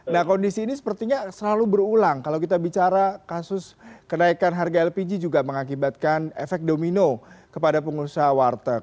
nah kondisi ini sepertinya selalu berulang kalau kita bicara kasus kenaikan harga lpg juga mengakibatkan efek domino kepada pengusaha warteg